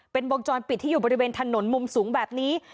เป็นวงจรปิดที่อยู่บริเวณถนนมุมสูงแบบนี้